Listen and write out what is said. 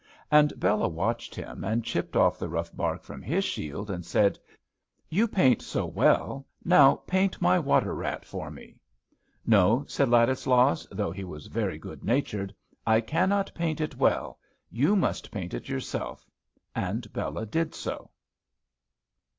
And Bela watched him, and chipped off the rough bark from his shield, and said, "You paint so well, now paint my water rat for me." "No," said Ladislaus, though he was very good natured, "I cannot paint it well. You must paint it yourself." And Bela did so.